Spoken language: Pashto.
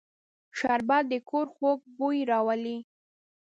شربت د کور خوږ بوی راولي